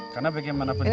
karena bagaimana penduga